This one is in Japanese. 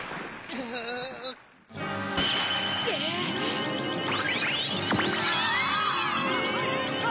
・うわ！